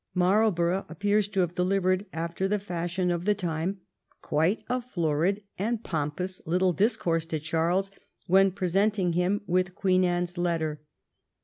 Marlborough appears to have delivered, after the fashion of the time, quite a florid and pompous little discourse to Charles when presenting him with Queen Anne's letter.